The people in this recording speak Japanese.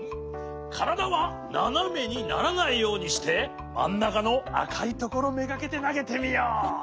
からだはななめにならないようにしてまんなかのあかいところめがけてなげてみよう。